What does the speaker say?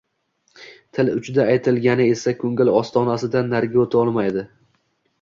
Til uchida aytilgani esa ko‘ngil ostonasidan nariga o‘ta olmaydi.